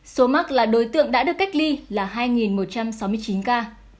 số mắc là đối tượng đã được cách ly là hai một trăm sáu mươi chín ca